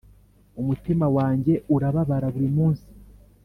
umutima wanjye urababara buri munsi.